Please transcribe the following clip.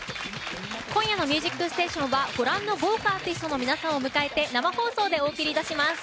今夜の「ミュージックステーション」はご覧の豪華アーティストの皆さんを迎えて生放送でお送りいたします。